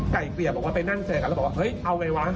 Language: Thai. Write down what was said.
เกลี่ยบอกว่าไปนั่งเจอกันแล้วบอกว่าเฮ้ยเอาไงวะ